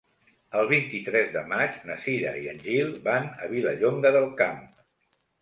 El vint-i-tres de maig na Cira i en Gil van a Vilallonga del Camp.